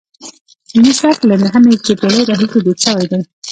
هندي سبک له نهمې هجري پیړۍ راهیسې دود شوی دی